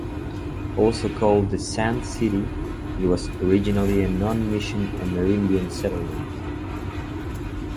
Also called "The Sand City", it was originally a non-Mission Amerindian settlement.